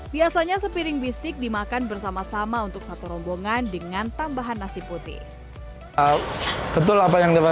biasanya sepiring bistik dimakan bersama sama untuk satu rombongan dengan tambahan nasi putih